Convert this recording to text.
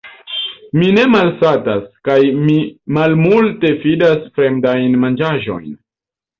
Mi ne malsatas, kaj mi malmulte fidas fremdajn manĝaĵojn.